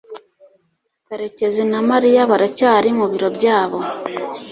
karekezi na mariya baracyari mu biro byabo